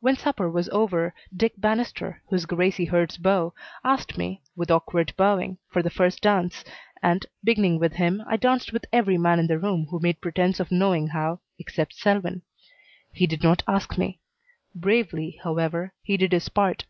When supper was over Dick Banister, who is Gracie Hurd's beau, asked me, with awkward bowing, for the first dance, and, beginning with him, I danced with every man in the room who made pretense of knowing how, except Selwyn. He did not ask me. Bravely, however, he did his part.